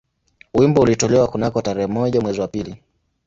Wimbo ulitolewa kunako tarehe moja mwezi wa pili